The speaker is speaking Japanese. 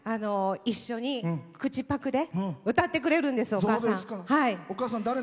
一緒に口パクで歌ってくれるんです、お母さん。